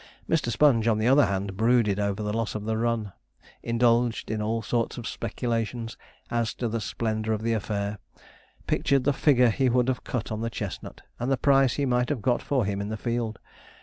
Mr. Sponge, on the other hand, brooded over the loss of the run; indulged in all sorts of speculations as to the splendour of the affair; pictured the figure he would have cut on the chestnut, and the price he might have got for him in the field.